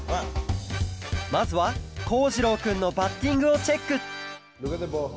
まずはこうじろうくんのバッティングをチェックボール！